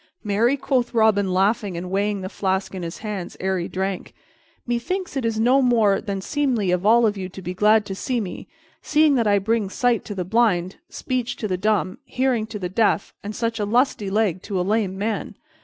"Marry," quoth Robin, laughing, and weighing the flask in his hands ere he drank, "methinks it is no more than seemly of you all to be glad to see me, seeing that I bring sight to the blind, speech to the dumb, hearing to the deaf, and such a lusty leg to a lame man.